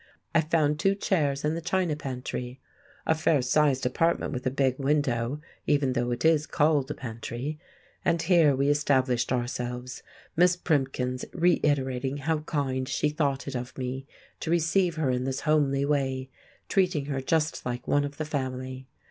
I found two chairs in the china pantry—a fair sized apartment with a big window, even though it is called a pantry—and here we established ourselves, Miss Primkins reiterating how kind she thought it of me to receive her in this homely way, treating her just like one of the family.